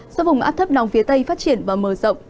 do vùng áp thấp nòng phía tây phát triển và mờ rộng